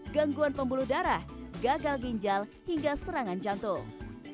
gangguan pembuluh darah gagal ginjal hingga serangan jantung